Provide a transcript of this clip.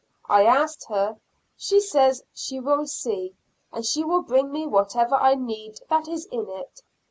I asked her; she says she will see, and she will bring me whatever I need that is in it.